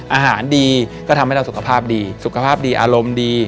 อาหารดีก็ทำให้เราสุขภาพดีสุขภาพดีอารมณ์ดี